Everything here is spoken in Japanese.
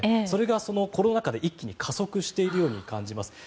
それがコロナ禍で一気に加速しているように感じます。